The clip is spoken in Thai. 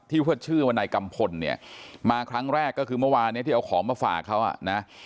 ที่ชื่อวันนายกำพลเนี่ยมาครั้งแรกก็คือเมื่อวานี้ที่เอาของมาฝากเขานะ